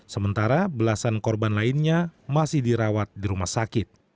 sementara belasan korban lainnya masih dirawat di rumah sakit